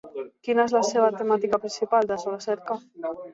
Quina és la seva temàtica principal de recerca?